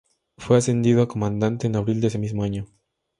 Fue ascendido a Comandante en abril de ese mismo año.